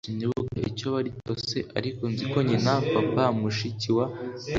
Sinibuka icyo bari cyo cyose; ariko nzi ko NYINA, PAPA, MUSHIKIWA NA Mwarimu bari muri bo.